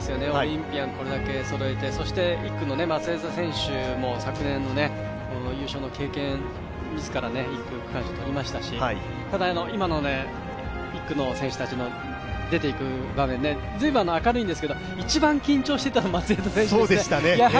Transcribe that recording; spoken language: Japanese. オリンピアンをこれだけそろえて、１区の松枝選手も昨年の優勝の経験、自ら１区区間賞取りましたし、ただ、今の１区の選手たちの出ていく場面、随分明るいんですけれども一番緊張していたのは松枝選手ですね。